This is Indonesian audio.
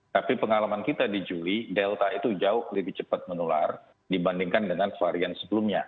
tapi pengalaman kita di juli delta itu jauh lebih cepat menular dibandingkan dengan varian sebelumnya